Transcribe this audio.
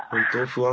不安